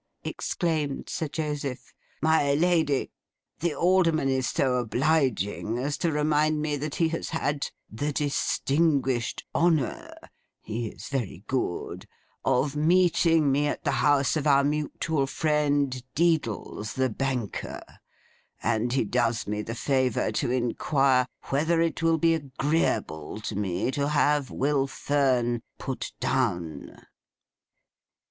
exclaimed Sir Joseph. 'My lady, the Alderman is so obliging as to remind me that he has had "the distinguished honour"—he is very good—of meeting me at the house of our mutual friend Deedles, the banker; and he does me the favour to inquire whether it will be agreeable to me to have Will Fern put down.